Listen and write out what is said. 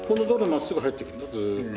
まっすぐ入っていけんだずっと。